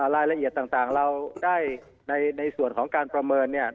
รายละเอียดต่างเราได้ในส่วนของการประเมินเนี่ย